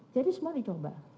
jadi semua dicoba